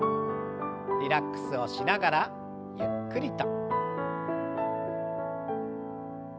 リラックスをしながらゆっくりと。